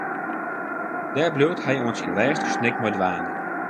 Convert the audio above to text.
Dêr bliuwt hy oant syn lêste snik mei dwaande.